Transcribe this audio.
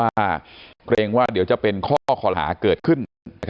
เกรงว่าเดี๋ยวจะเป็นข้อคอหาเกิดขึ้น